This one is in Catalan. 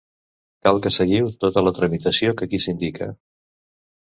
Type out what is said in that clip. Cal que seguiu tota la tramitació que aquí s'indica.